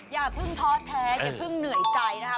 อย่าเพิ่งท้อแท้อย่าเพิ่งเหนื่อยใจนะคะ